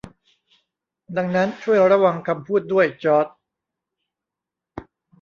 ดังนั้น ช่วยระวังคำพูดด้วยจอร์จ